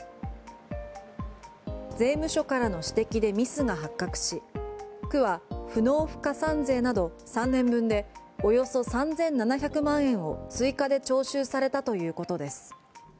税務署からの指摘でミスが発覚し区は不納付加算税など３年分でおよそ３７００万円を追加で徴収されたということです。